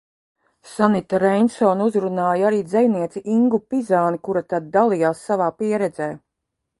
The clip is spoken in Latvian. Sanita Reinsone uzrunāja arī dzejnieci Ingu Pizāni, kura tad dalījās savā pieredzē.